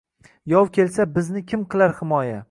Yov kelsa, bizni kim qilar himoya».